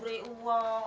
saya ini cantik loh